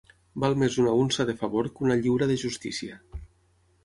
Val més una unça de favor que una lliura de justícia.